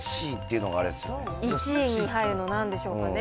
１位に入るのなんでしょうかね。